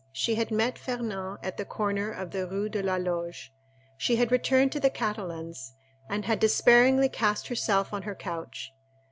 She had met Fernand at the corner of the Rue de la Loge; she had returned to the Catalans, and had despairingly cast herself on her couch.